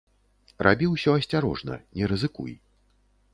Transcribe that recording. Рабі ўсё асцярожна, не рызыкуй.